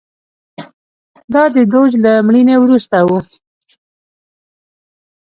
دا د دوج له مړینې وروسته و